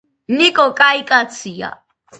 ნიკო კაი კაცია